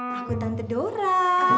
aku tante dora